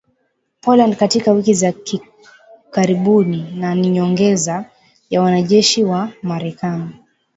Poland katika wiki za karibuni na ni nyongeza ya wanajeshi wa Marekani